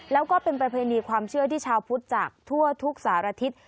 แล้วก็เป็นประเพณีความเชื่อที่ชาวพุทธจากทั่วทุกสารทิศ